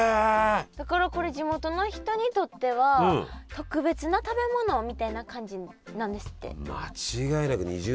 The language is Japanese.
だからこれ地元の人にとっては特別な食べ物みたいな感じなんですって。